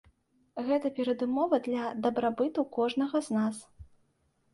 Гэта перадумова для дабрабыту кожнага з нас.